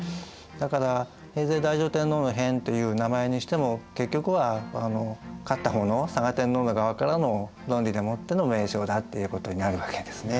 だから平城太上天皇の変という名前にしても結局は勝った方の嵯峨天皇の側からの論理でもっての名称だっていうことになるわけですね。